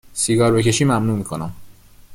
سیگار بکشی ممنوع میکنم